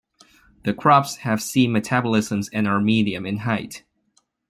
The crops have C metabolisms and are medium in height.